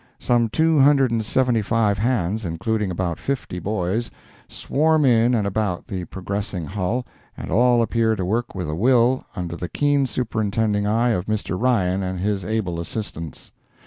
Some two hundred and seventy five hands, including about fifty boys, swarm in and about the progressing hull, and all appear to work with a will, under the keen superintending eye of Mr. Ryan and his able assistants.